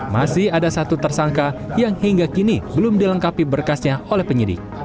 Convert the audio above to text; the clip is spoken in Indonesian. masih ada satu tersangka yang hingga kini belum dilengkapi berkasnya oleh penyidik